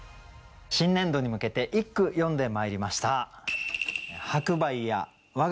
新年度に向けて一句詠んでまいりました。